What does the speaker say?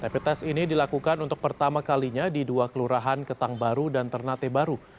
rapid test ini dilakukan untuk pertama kalinya di dua kelurahan ketang baru dan ternate baru